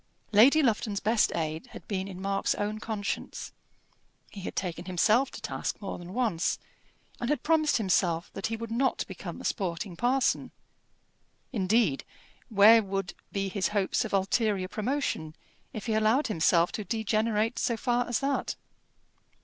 Lady Lufton's best aid had been in Mark's own conscience. He had taken himself to task more than once, and had promised himself that he would not become a sporting parson. Indeed, where would be his hopes of ulterior promotion, if he allowed himself to degenerate so far as that?